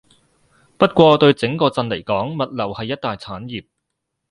不過對整個鎮嚟講，物流係一大產業